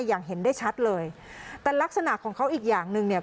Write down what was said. อย่างเห็นได้ชัดเลยแต่ลักษณะของเขาอีกอย่างหนึ่งเนี่ย